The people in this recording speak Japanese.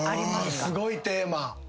すごいテーマ。